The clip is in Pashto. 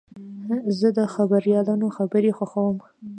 زه د خبریالانو خبرې خوښوم.